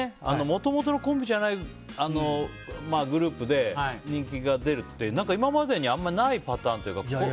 もともとのコンビじゃないグループで人気が出るって何か、今までにあまりないパターンっていうか。